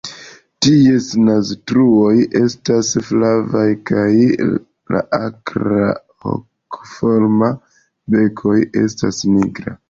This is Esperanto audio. Ties naztruoj estas flavaj kaj la akra hokoforma bekoj estas nigra.